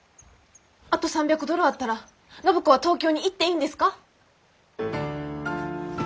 あと３００ドルあったら暢子は東京に行っていいんですか？